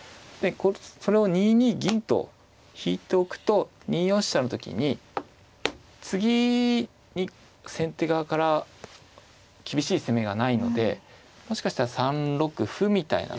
それを２二銀と引いておくと２四飛車の時に次に先手側から厳しい攻めがないのでもしかしたら３六歩みたいな感じで。